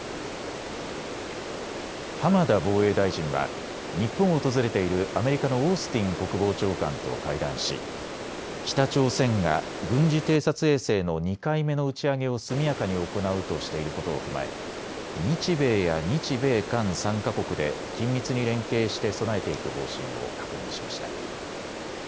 浜田防衛大臣は日本を訪れているアメリカのオースティン国防長官と会談し北朝鮮が軍事偵察衛星の２回目の打ち上げを速やかに行うとしていることを踏まえ日米や日米韓３か国で緊密に連携して備えていく方針を確認しました。